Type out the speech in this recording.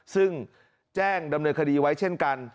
ซึ่งแจ้งดำเนินคดีไว้เช่นกัน